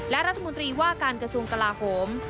และรัฐมนตรีว่าการกระทรวงกลาโหม